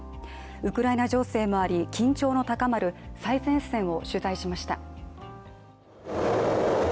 ウクライナ情勢もあり、緊張の高まる最前線を取材しました。